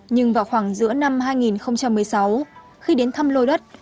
nhưng vào khoảng giữa năm hai nghìn một mươi sáu khi đến thăm lô đất